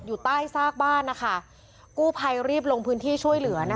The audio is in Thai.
อยู่ใต้ซากบ้านนะคะกู้ภัยรีบลงพื้นที่ช่วยเหลือนะคะ